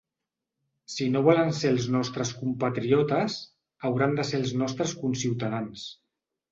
Si no volen ser els nostres compatriotes, hauran de ser els nostres conciutadans.